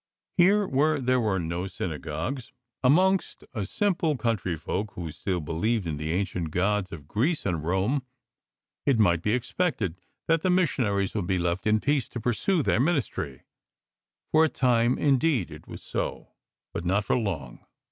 Here, where there were no syna 43 BY LAND AND SEA gogues, amongst a simple country folk who still believed in the ancient gods of Greece and Rome, it might be expected that the missioners would be left in peace to pursue their ministry. For a time, indeed, it was so, but not for long.